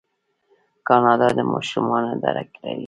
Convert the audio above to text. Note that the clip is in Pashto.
کاناډا د ماشومانو اداره لري.